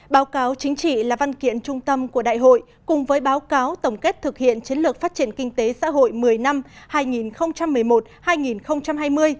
báo cáo chính trị là văn kiện trung tâm của đại hội cùng với báo cáo tổng kết thực hiện chiến lược phát triển kinh tế xã hội một mươi năm hai nghìn một mươi một hai nghìn hai mươi